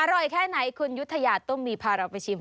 อร่อยแค่ไหนคุณยุธยาตุ้มมีพาเราไปชิม